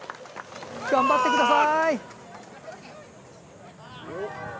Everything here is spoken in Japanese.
頑張ってください。